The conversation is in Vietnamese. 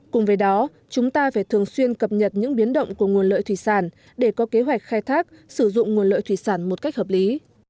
cùng với đó chúng ta phải thường xuyên cập nhật những biến động của nguồn lợi thủy sản để có kế hoạch khai thác sử dụng nguồn lợi thủy sản một cách hợp lý